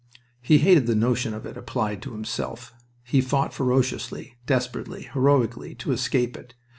He hated the notion of it applied to himself. He fought ferociously, desperately, heroically, to escape it.